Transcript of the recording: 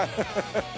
ハハハ。